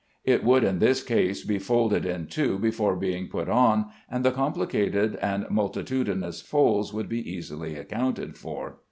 It would in this case be folded in two before being put on, and the complicated and multitudinous folds would be easily accounted for.